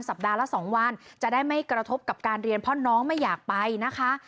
สัปดาห์ละ๒วันจะได้ไม่กระทบกับการเรียนเพราะน้องไม่อยากไปนะคะ